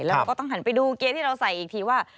แล้วเราก็ต้องหันไปดูเกียร์ที่เราใส่อีกทีว่า